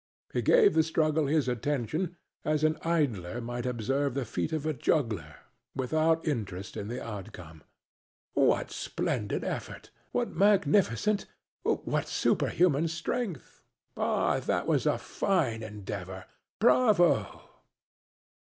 He gave the struggle his attention, as an idler might observe the feat of a juggler, without interest in the outcome. What splendid effort! what magnificent, what superhuman strength! Ah, that was a fine endeavor! Bravo!